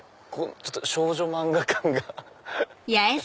ちょっと少女漫画感が。